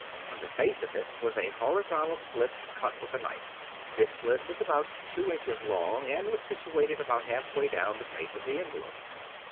On the face of it was a horizontal slit cut with a knife. This slit was about two inches long and was situated about halfway down the face of the envelope.